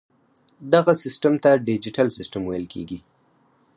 دغه سیسټم ته ډیجیټل سیسټم ویل کیږي.